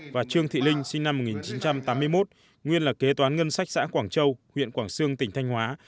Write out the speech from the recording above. và trương thị linh sinh năm một nghìn chín trăm tám mươi một nguyên là kế toán ngân sách xã quảng châu huyện quảng sương tỉnh thanh hóa